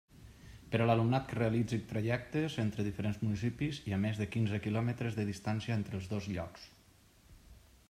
Per a alumnat que realitzi trajectes entre diferents municipis i a més de quinze quilòmetres de distància entre els dos llocs.